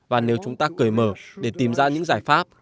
và nếu chúng ta cởi mở để tìm ra những giải pháp